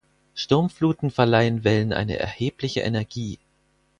Sturmfluten verleihen Wellen eine erhebliche Energie.